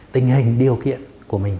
tình hình điều kiện của mình